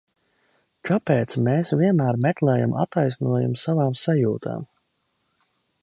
Kāpēc mēs vienmēr meklējam attaisnojumu savām sajūtām?